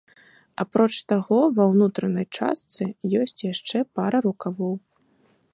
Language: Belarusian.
Апроч таго, ва ўнутранай частцы ёсць яшчэ пара рукавоў.